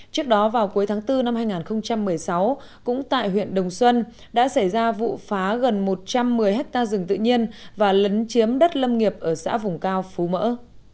trước đó vào cuối tháng bốn năm hai nghìn một mươi sáu cũng tại huyện đồng xuân đã xảy ra vụ phá gần một trăm một mươi hectare rừng tự nhiên và lấn chiếm đất lâm nghiệp ở xã vùng cao phú mỡ